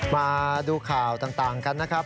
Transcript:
มาดูข่าวต่างกันนะครับ